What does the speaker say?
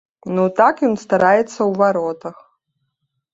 Ну так ён стараецца ў варотах.